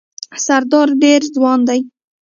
سردار ډېر ځوان دی.